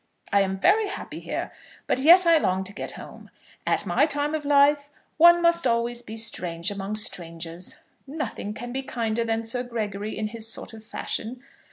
I am very happy here, but yet I long to get home. At my time of life, one must always be strange among strangers. Nothing can be kinder than Sir Gregory, in his sort of fashion.